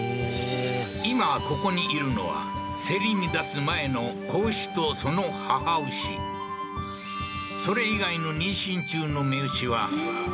今ここにいるのは競りに出す前の子牛とその母牛それ以外のえっ？